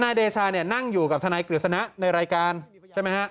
เดชาเนี่ยนั่งอยู่กับทนายกฤษณะในรายการใช่ไหมฮะ